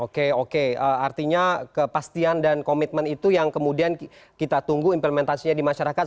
oke oke artinya kepastian dan komitmen itu yang kemudian kita tunggu implementasinya di masyarakat